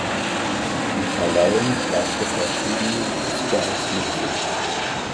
Die Verleihung brachte verschiedene Stars mit sich.